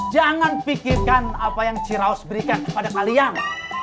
jangan pikirkan apa yang ciraus berikan kepada kalian